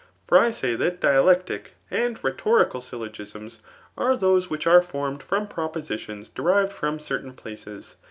For I say that dialectic and rhetorical syllogisms are those which are formed from propositions derived' from certain places.